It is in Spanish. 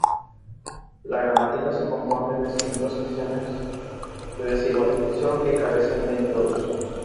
La gramática se compone de cinco secciones de desigual extensión, que carecen de introducción.